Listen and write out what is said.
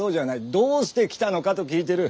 「どうして来たのか？」と聞いてる。